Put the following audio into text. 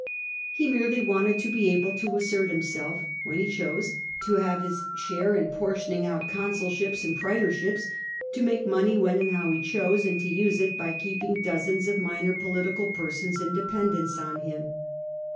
He merely wanted to be able to assert himself when he chose, to have his share in portioning out consulships and praetorships, to make money when and how he chose, and to use it by keeping dozens of minor political per sonages in dependence on him.